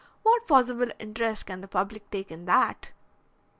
"What possible interest can the public take in that?"